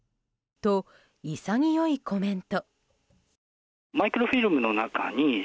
と、潔いコメント。